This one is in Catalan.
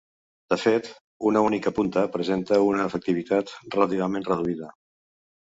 De fet, una única punta presenta una efectivitat relativament reduïda.